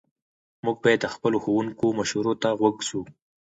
موږ باید د خپلو ښوونکو مشورو ته غوږ سو.